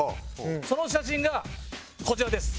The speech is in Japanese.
その写真がこちらです。